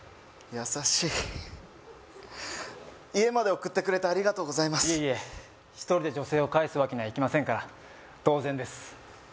優しい家まで送ってくれてありがとうございますいえいえ１人で女性を帰すわけにはいきませんから当然です